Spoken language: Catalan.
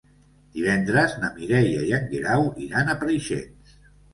Divendres na Mireia i en Guerau iran a Preixens.